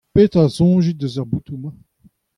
Petra a soñjit eus ar botoù-mañ ?